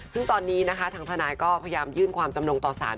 ซึ่งตอนนี้นะคะทางทนายก็พยายามยื่นความจำนงต่อสาร